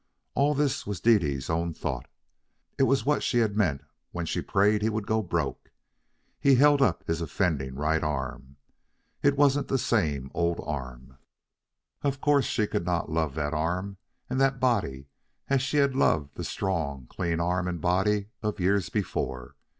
All this was Dede's own thought. It was what she had meant when she prayed he would go broke. He held up his offending right arm. It wasn't the same old arm. Of course she could not love that arm and that body as she had loved the strong, clean arm and body of years before.